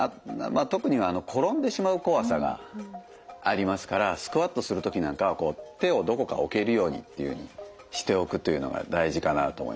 特に転んでしまう怖さがありますからスクワットする時なんかは手をどこか置けるようにっていうふうにしておくというのが大事かなと思いますね。